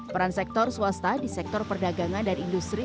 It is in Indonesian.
peran sektor swasta di sektor perdagangan dan industri